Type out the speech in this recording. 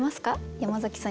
山崎さん